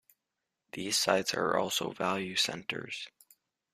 These sites are also Value Centres.